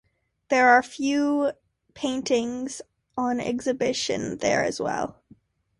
There are a few Kremegne paintings on exhibition there as well.